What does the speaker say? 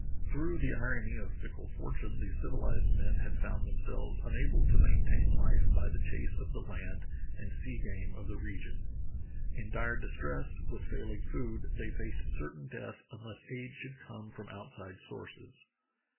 Through the irony of fickle fortune the civilized men had found themselves unable to maintain life by the chase of the land and sea game of the region. In dire distress, with failing food, they faced certain death un less aid should come from outside sources.